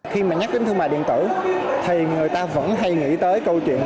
khi mà nhắc đến thương mại điện tử thì người ta vẫn hay nghĩ tới câu chuyện